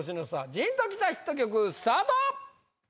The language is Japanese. ジーンときたヒット曲スタート！